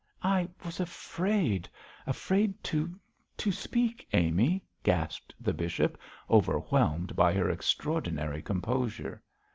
'I was afraid afraid to to speak, Amy,' gasped the bishop, overwhelmed by her extraordinary composure.